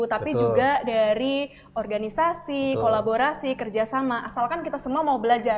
tapi juga dari organisasi kolaborasi kerjasama asalkan kita semua mau belajar